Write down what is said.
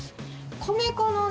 米粉のね